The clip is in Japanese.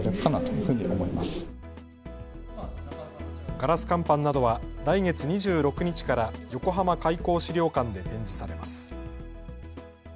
ガラス乾板などは来月２６日から横浜開港資料館で展示されます。